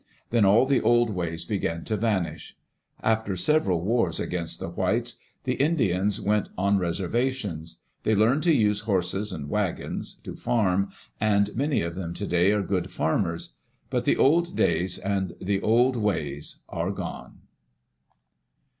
Then all the old ways began to vanish. After several wars against the whites, the Indians went on reservations; they learned to use horses and wagons, to farm, and many of them today are good farmers. But the old days and the old ways are gone.